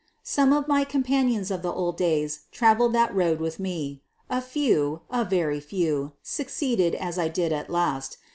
Some of my companions of the old days traveled that road with me. A few, a very few, succeeded as I did at last.